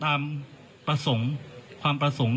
ทางคุณชัยธวัดก็บอกว่าการยื่นเรื่องแก้ไขมาตรวจสองเจน